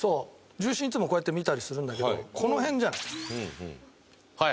重心、いつもこうやって見たりするんだけどこの辺じゃない？